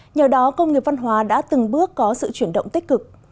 nhờ đó công nghiệp văn hóa đã từng bước có sự chuyển động tích cực